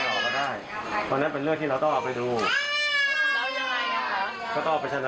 แม่ก็ส่วนแม่ครับนี่กฎหมายครับ